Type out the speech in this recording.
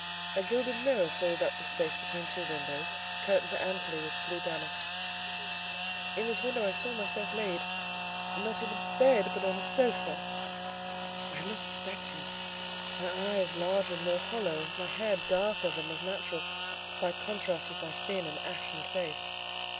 A gilded mirror filled up the space between two windows, curtained amply with blue damask. In this mirror I saw myself laid, not in bed, but on a sofa. I looked spectral; my eyes larger and more hollow, my hair darker than was natural, by contrast with my thin and ashen face.